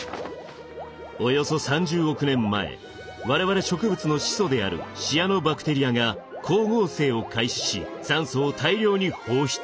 およそ３０億年前我々植物の始祖であるシアノバクテリアが光合成を開始し酸素を大量に放出。